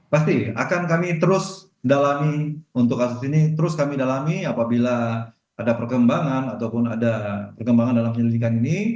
pasti akan kami terus dalami untuk kasus ini terus kami dalami apabila ada perkembangan ataupun ada perkembangan dalam penyelidikan ini